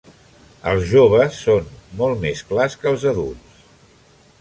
Els joves són molt més clars que els adults.